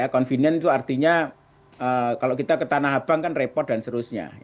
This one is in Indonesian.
convenient itu artinya kalau kita ke tanah abang kan repot dan seterusnya